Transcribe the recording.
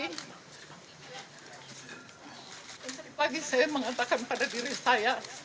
dan segini pagi saya mengatakan pada diri saya